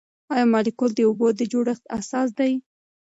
آیا مالیکول د اوبو د جوړښت اساس دی؟